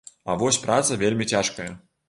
А вось праца вельмі цяжкая.